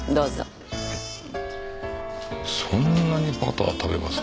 そんなにバター食べますか？